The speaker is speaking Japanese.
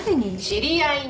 知り合いに。